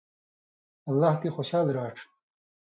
اللہ تی خوشال راڇھ